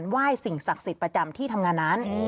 ไหว้สิ่งศักดิ์สิทธิ์ประจำที่ทำงานนั้น